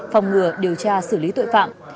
phòng ngừa điều tra xử lý tội phạm